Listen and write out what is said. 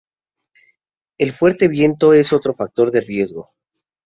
El fuerte viento es otro factor de riesgo.